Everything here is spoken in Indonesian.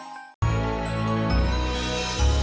siapa yang mengalih bantuan dia